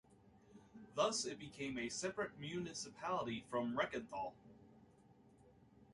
Thus it became a separate municipality from Reckenthal.